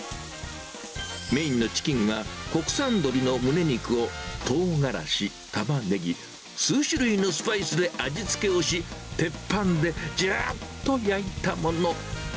メインのチキンは国産鶏のむね肉を、トウガラシ、タマネギ、数種類のスパイスで味つけをし、鉄板でじゅっと焼いたもの。